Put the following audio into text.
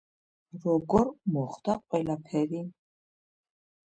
როგორ მოხდა ყველაფერი?